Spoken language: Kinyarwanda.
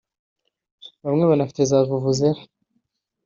bamwe banafite za Vuvuzela